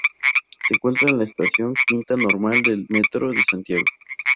Se ubica en la estación Quinta Normal del Metro de Santiago.